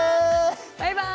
バイバーイ！